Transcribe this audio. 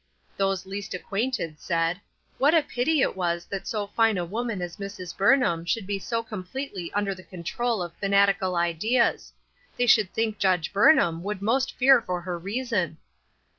Those least acquainted said :" What a pity it was that so fine a woman as Mrs. Burnham should be so completely under the control of fanatical ideas ; they should think Judge Burnham would almost fear for her reason